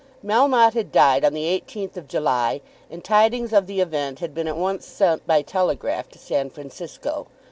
Melmotte had died on the 18th of July, and tidings of the event had been at once sent by telegraph to San Francisco.